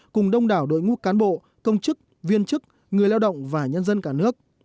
cùng đông đảo đội ngũ cán bộ công chức viên chức người lao động và nhân dân cả nước